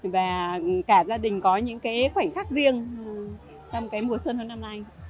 và cả gia đình có những khoảnh khắc riêng trong mùa xuân năm nay